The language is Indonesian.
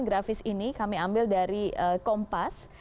grafis ini kami ambil dari kompas